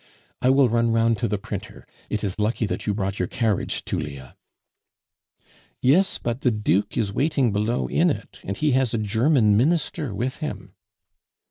I will run round to the printer. It is lucky that you brought your carriage, Tullia." "Yes, but the Duke is waiting below in it, and he has a German Minister with him."